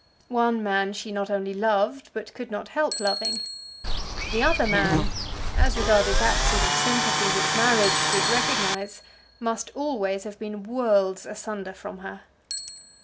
One man she not only loved, but could not help loving; the other man, as regarded that sort of sympathy which marriage should recognise, must always have been worlds asunder from her.